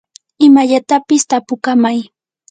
imallatapis tapukamay.